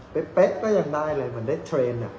เป๊กก็ยังได้เลยเหมือนได้เทรนด์